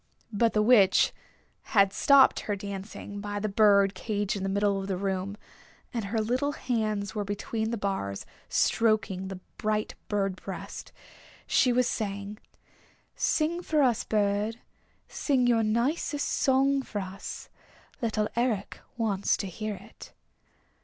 But the Witch had stopped her dancing by the bird cage in the middle of the room, and her little hands were between the bars stroking the bright bird breast. She was saying, "Sing for us, bird. Sing your nicest song for us. Little Eric wants to hear it."